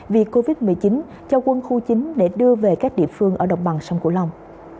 vì covid một mươi chín cho quân khu chín để đưa về các địa phương ở đồng bằng sông cửu long